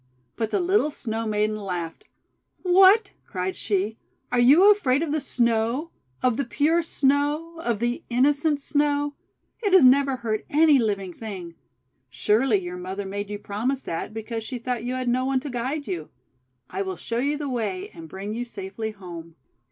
But the little Snow Maiden laughed. 'What!' cried she. :4Are you afraid of the Snow? of the pure Snow? of the innocent Snow? It has never hurt any living thing. Surely your mother made you promise that, because she thought you had no one to guide you. I will show you the way, and bring you safely home."